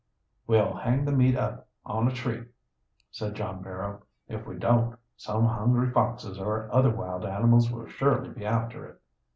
"We'll hang the meat up on a tree," said John Barrow. "If we don't some hungry foxes or other wild animals will surely be after it."